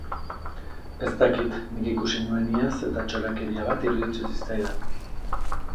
Ez dakit, nik ikusi nuen iaz eta txorakeria bat iruditu zitzaidan.